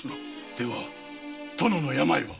では殿の病は？